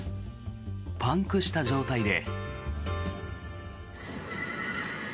パンクした状態で。